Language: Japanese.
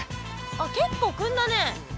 あっ結構くんだね。